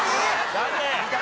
残念。